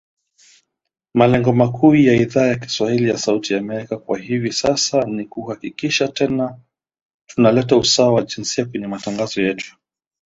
Malengo makuu ya Idhaa ya kiswahili ya Sauti ya Amerika kwa hivi sasa ni kuhakikisha tuna leta usawa wa jinsia kwenye matangazo yetu